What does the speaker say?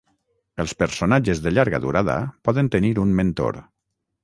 Els personatges de llarga durada poden tenir un mentor.